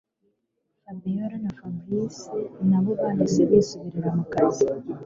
Fabiora na Fabric nabo bahise bisubirira mukazi